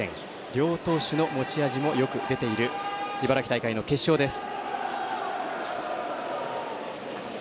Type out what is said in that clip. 両投手の持ち味もよく出ている茨城大会の決勝です。